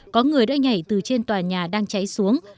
có người đã nhảy từ trên tòa nhà đang cháy xuống